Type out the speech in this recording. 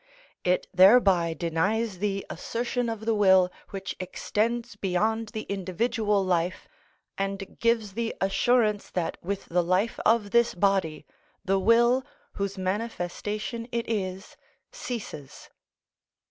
It thereby denies the assertion of the will which extends beyond the individual life, and gives the assurance that with the life of this body, the will, whose manifestation it is, ceases.